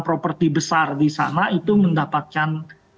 properti besar di sana itu mendapatkan